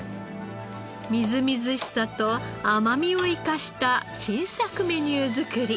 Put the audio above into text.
みずみずしさと甘みを生かした新作メニュー作り。